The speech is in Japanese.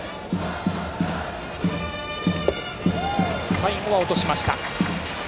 最後は落としました。